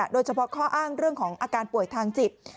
โดยเฉพาะข้ออ้างเรื่องของอาการป่วยทางจิต